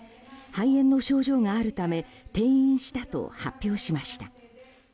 肺炎の症状があるため転院したと発表しました。